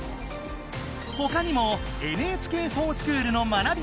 ほかにもＮＨＫｆｏｒＳｃｈｏｏｌの学び